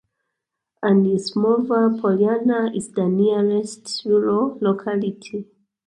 Anisimova Polyana is the nearest rural locality.